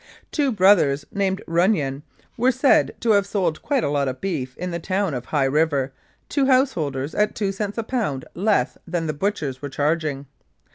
Two brothers named Runnion were said to have sold quite a lot of beef in the town of High River to house holders at two cents a pound less than the butchers were charging.